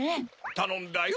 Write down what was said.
たのんだよ。